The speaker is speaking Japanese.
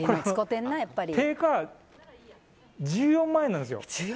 定価１４万円なんですよ。